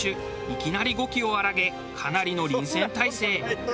いきなり語気を荒らげかなりの臨戦態勢。